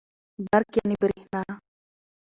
برق √ بريښنا